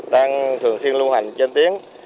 đang thường xuyên lưu hành trên tiếng